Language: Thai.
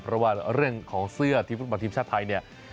เพราะว่าเรื่องของเสื้อทีมฟุตบอลทีมชาติไทยเนี่ย